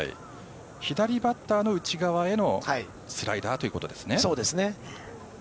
左バッターの内側へのスライダーということです。